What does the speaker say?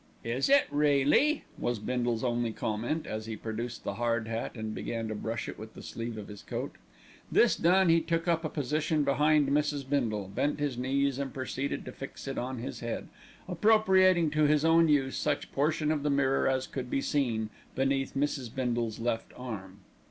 "Is it really?" was Bindle's only comment, as he produced the hard hat and began to brush it with the sleeve of his coat. This done he took up a position behind Mrs. Bindle, bent his knees and proceeded to fix it on his head, appropriating to his own use such portion of the mirror as could be seen beneath Mrs. Bindle's left arm.